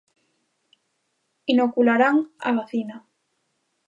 Inocularán a vacina.